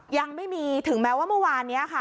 ยังไม่มีถึงแม้ว่าเมื่อวานนี้ค่ะ